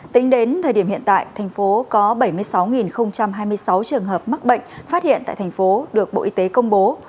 tính đến thời điểm hiện tại thành phố có bảy mươi sáu hai mươi sáu trường hợp mắc bệnh phát hiện tại thành phố được bộ y tế công bố